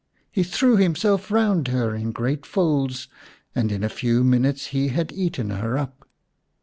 He threw himself round her in great folds, and in a few minutes he had eaten her up.